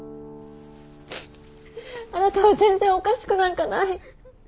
あなたは全然おかしくなんかない。